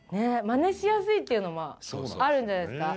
まねしやすいっていうのもあるんじゃないですか。